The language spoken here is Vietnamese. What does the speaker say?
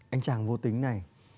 anh chàng vô tính này